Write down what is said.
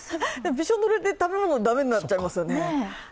びしょぬれで食べ物駄目になっちゃいますよね。